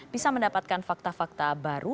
bisa mendapatkan fakta fakta baru